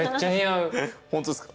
ホントですか。